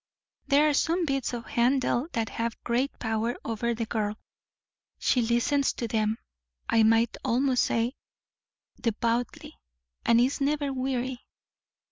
There are some bits of Handel that have great power over the girl; she listens to them, I might almost say, devoutly, and is never weary.